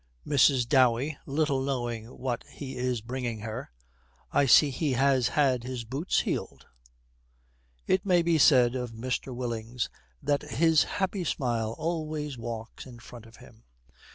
MRS. DOWEY, little knowing what he is bringing her, 'I see he has had his boots heeled.' It may be said of Mr. Willings that his happy smile always walks in front of him.